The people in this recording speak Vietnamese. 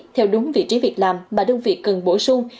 theo đúng vị trí việc làm mà đơn vị cần bổ sung